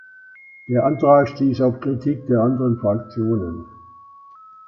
Der Antrag stieß auf Kritik der anderen Fraktionen.